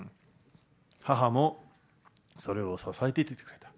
母もそれを支えていてくれた。